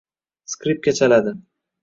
Skripka chaladi.